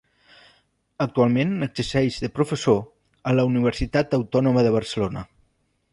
Actualment exerceix de professor a la Universitat Autònoma de Barcelona.